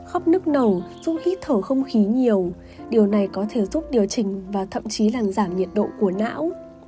khóc nức nẩu giúp hít thở không khí nhiều điều này có thể giúp điều chỉnh và thậm chí là giảm nhiệt độ của não